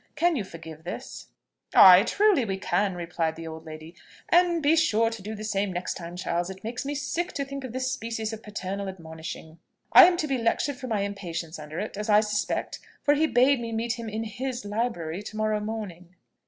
Can you forgive this?" "Ay, truly can we," replied the old lady; "and be sure to do the same next time, Charles. It makes me sick to think of this species of paternal admonishing." "I am to be lectured for my impatience under it, as I suspect; for he bade me meet him in his library to morrow morning."